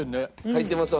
入ってます。